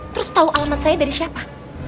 terus tahu alamat saya dari siapa